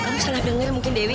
kamu setelah dengar mungkin dewi